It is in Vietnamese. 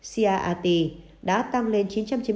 crrt đã tăng lên